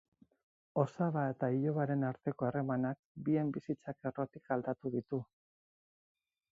Osaba eta ilobaren arteko harremanak bien bizitzak errotik aldatuko ditu.